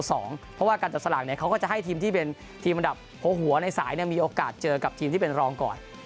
เพราะว่าการจัดสลากเขาก็จะให้ทีมที่เป็นทีมอันดับหัวในสายมีโอกาสเจอกับทีมที่เป็นรองก่อน